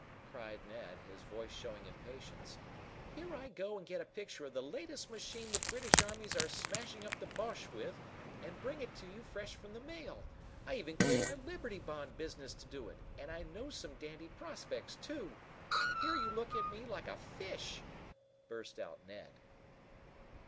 cried Ned, his voice showing impatience. "Here I go and get a picture of the latest machine the British armies are smashing up the Boches with, and bring it to you fresh from the mail I even quit my Liberty Bond business to do it, and I know some dandy prospects, too and here you look at it like a like a fish!" burst out Ned.